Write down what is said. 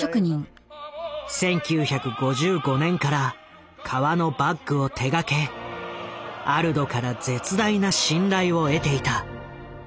１９５５年から革のバッグを手がけアルドから絶大な信頼を得ていた。